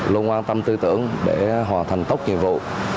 luôn quan tâm tư tưởng để hoàn thành tốt nhiệm vụ